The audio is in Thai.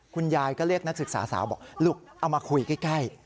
คุณยายก็เรียกนักศึกษาสาวบอกลูกเอามาคุยใกล้